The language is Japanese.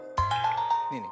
ねえねえ